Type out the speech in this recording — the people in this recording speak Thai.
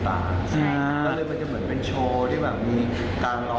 ก็เลยมันจะเหมือนเป็นโชว์ที่แบบมีการรอ